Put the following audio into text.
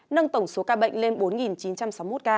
nâng tổng số ca bệnh lên bốn chín trăm sáu mươi một ca